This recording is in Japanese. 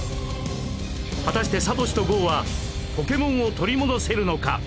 果たしてサトシとゴウはポケモンを取り戻せるのか？